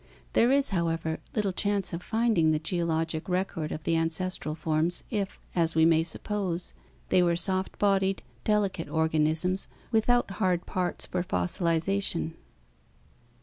There is, however, little chance of finding the geologic record of the ancestral forms, if, as we may suppose, they were soft bodied, delicate organisms without hard parts for fossilization.